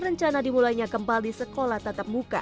rencana dimulainya kembali sekolah tatap muka